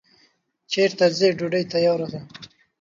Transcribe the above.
چیرته ځی ډوډی تیاره ده